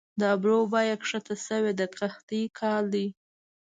د ابرو بیه کښته شوې د قحطۍ کال دي